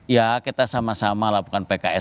ya kita sama sama lakukan pks